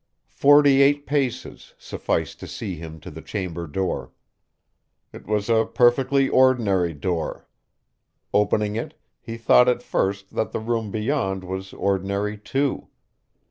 Forty eight paces sufficed to see him to the chamber door. It was a perfectly ordinary door. Opening it, he thought at first that the room beyond was ordinary, too.